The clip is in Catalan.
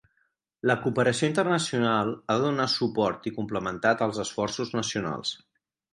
La cooperació internacional ha de donar suport i complementar tals esforços nacionals.